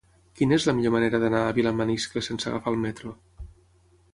Quina és la millor manera d'anar a Vilamaniscle sense agafar el metro?